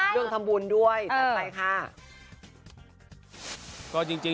เรื่องทำบุญด้วยตรัสติ๊ค่ะ